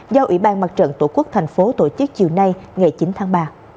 do ủy ban mặt trận tổ quốc thành phố tổ chức chiều nay ngày chín tháng ba